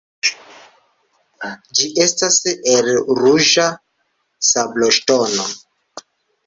Ĝi estas el ruĝa sabloŝtono.